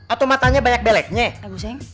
atau matanya banyak beleknya